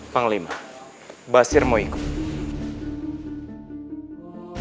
panglima basir mau ikut